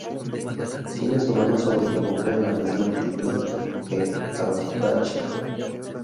Tiene su mano sobre la boca en la misma actitud que Ardacher.